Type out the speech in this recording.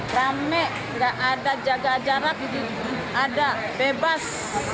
rame nggak ada jaga jarak ada bebas